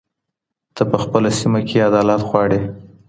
ته په خپله سيمه کي عدالت غواړې.